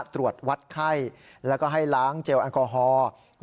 ตรวจวัดไข้แล้วก็ให้ล้างเจลแอลกอฮอล์